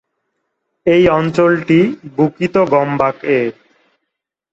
এই অঞ্চলটি বুকিত গম্বাক-এ।